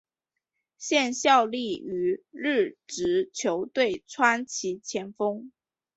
现效力于日职球队川崎前锋。